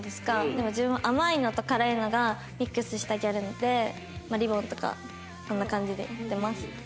でも自分は甘いのと辛いのがミックスしたギャルでリボンとかこんな感じでやってます。